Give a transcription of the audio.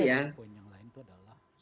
saya menuruskan ya